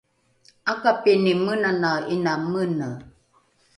’akapini menanae ’ina mene?